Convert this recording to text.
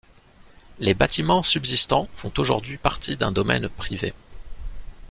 Les bâtiments subsistants font aujourd'hui partie d'un domaine privé.